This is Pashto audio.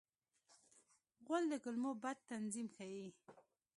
غول د کولمو بد تنظیم ښيي.